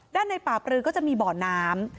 ในป่าปรือก็จะมีบ่อน้ำ